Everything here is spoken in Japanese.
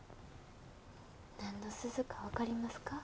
何の鈴か分かりますか？